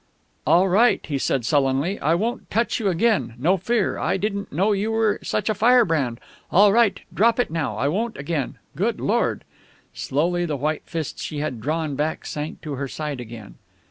"All right," he said sullenly. "I won't touch you again no fear. I didn't know you were such a firebrand. All right, drop it now. I won't again. Good Lord!" Slowly the white fist she had drawn back sank to her side again.